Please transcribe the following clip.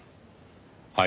はい？